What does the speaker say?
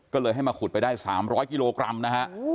ก็เลยให้มาขุดไปได้๓๐๐กิโลกรัมนะฮะ